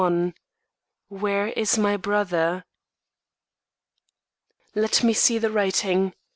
XXVIII "WHERE IS MY BROTHER?" Let me see the writing.